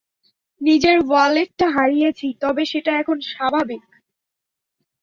নিজের ওয়ালেটটা হারিয়েছি, তবে সেটা এখন স্বাভাবিক।